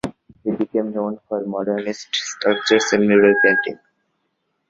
He became known for modernist sculptures and mural painting.